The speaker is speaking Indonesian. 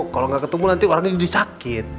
kalo nggak ketemu nanti orang ini disakit